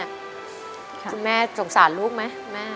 คุณแม่สงสารลูกไหมแม่